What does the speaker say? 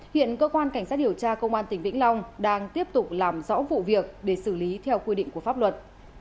hiện cơ quan cảnh sát điều tra công an tỉnh vĩnh long đang tiếp tục làm rõ vụ việc để xử lý theo quy định của pháp luật